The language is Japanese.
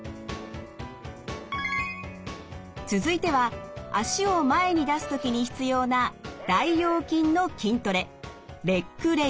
続いては脚を前に出す時に必要な大腰筋の筋トレレッグレイズ。